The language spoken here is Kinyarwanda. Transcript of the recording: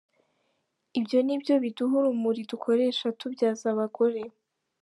Ibyo ni byo biduha urumuri dukoresha tubyaza abagore.